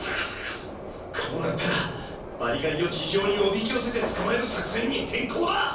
こうなったらバリガリを地上におびきよせてつかまえるさくせんにへんこうだ！